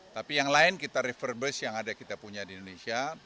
tapi yang lain kita refurbish yang ada kita punya